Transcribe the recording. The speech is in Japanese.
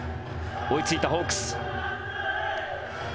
追いついたホークス。